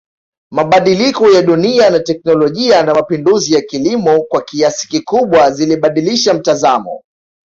Mabadiliko ya dunia na teknolijia na mapinduzi ya kilimo kwa kiasi kikubwa zilibadilisha mtazamo